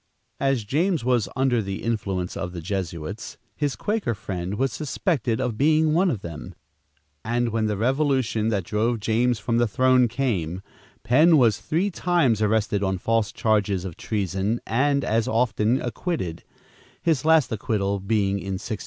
As James was under the influence of the Jesuits, his Quaker friend was suspected of being one of them, and when the revolution that drove James from the throne came, Penn was three times arrested on false charges of treason and as often acquitted, his last acquittal being in 1690.